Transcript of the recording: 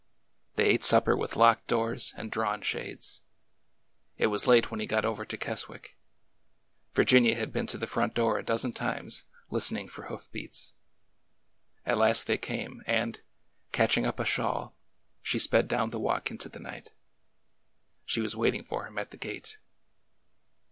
They ate supper with locked doors and drawn shades. It was late when he got over to Keswick. Virginia had been to the front door a dozen times, listening for hoof beats. At last they came, and, catching up a shawl, she sped down the walk into the night. She was waiting for him at the gate.